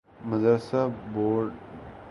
مدرسہ بورڈوزارت مذہبی امور کا حصہ ہے۔